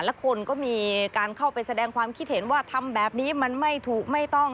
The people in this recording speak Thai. และคนก็มีการเข้าไปแสดงความคิดเห็นว่าทำแบบนี้มันไม่ถูกไม่ต้อง